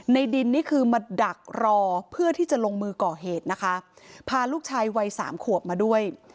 ในดินนี่คือมาดักรอเพื่อที่จะลงมือก่อเหตุนะคะพาลูกชายวัยสามขวบมาด้วย